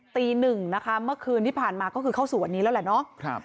ตีหนึ่งนะคะเมื่อคืนที่ผ่านมาก็คือเข้าสู่วันนี้แล้วแหละเนาะ